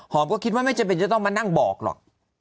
ก็คิดว่าไม่จำเป็นจะต้องมานั่งบอกหรอก